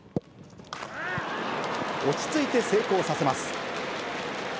落ち着いて成功させます。